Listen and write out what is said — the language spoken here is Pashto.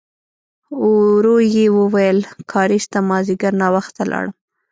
ورو يې وویل: کارېز ته مازديګر ناوخته لاړم.